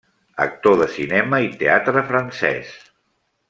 Actor de cinema i teatre francès.